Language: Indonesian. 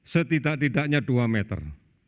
setidak tidaknya dua meter